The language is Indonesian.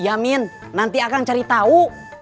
iya min nanti akan cari tau